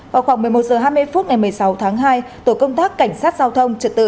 vào khoảng một mươi một h hai mươi phút ngày một mươi sáu tháng hai tổ công tác cảnh sát giao thông trật tự